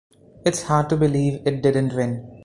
It's hard to believe it didn't win.